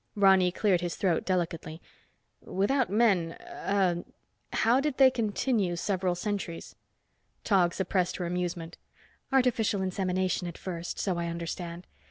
Ronny cleared his throat delicately. "Without men ... ah, how did they continue several centuries?" Tog suppressed her amusement. "Artificial insemination, at first, so I understand.